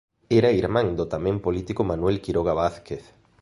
Era irmán do tamén político Manuel Quiroga Vázquez.